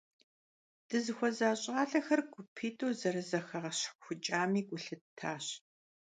Дызыхуэза щIалэхэр гупитIу зэрызэхэгъэщхьэхукIами гу лъыттащ.